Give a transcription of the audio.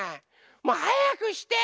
もうはやくして！